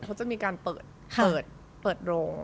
เขาจะมีการเปิดโรง